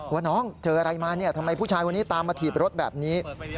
ว่าน้องเจออะไรมาทำไมผู้ชายตามมาถีบรถแบบนี้